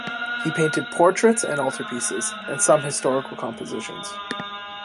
He painted portraits and altarpieces, and some historical compositions.